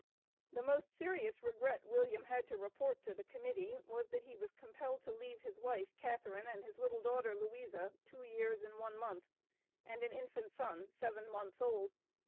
The most serious regret William had to report to the Committee was, that he was compelled to "leave" his "wife," Catharine, and his little daughter, Louisa, two years and one month, and an infant son seven months old.